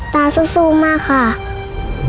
ตาสู้มากค่ะ